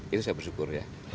itu saya bersyukur ya